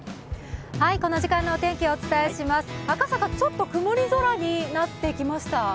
この時間のお天気、お伝えします赤坂、ちょっと曇り空になってきました。